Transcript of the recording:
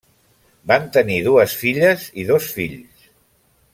Van tenir dues filles i dos fills.